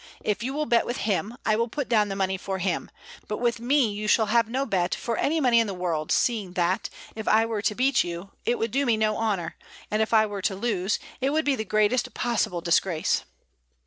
If you will bet with him, I will put down the money for him; but with me you shall have no bet for any money in the world, seeing that, if I were to beat you, it would do me no honour, and if I were to lose, it would be the greatest possible disgrace."